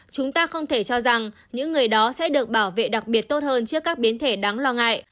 chúng ta không thể cho rằng những người đó sẽ được bảo vệ đặc biệt tốt hơn trước các biến thể đáng lo ngại